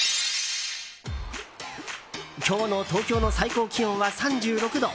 今日の東京の最高気温は３６度。